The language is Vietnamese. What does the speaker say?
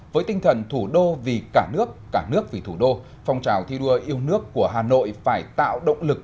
với tinh thần thủ đô vì cả nước cả nước vì thủ đô phong trào thi đua yêu nước của hà nội phải tạo động lực